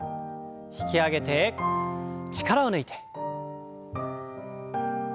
引き上げて力を抜いて。